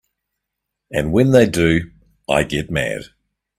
And when they do I get mad.